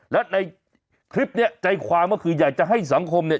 แล้วในคลิปเนี้ยใจความก็คืออยากจะให้สังคมเนี่ย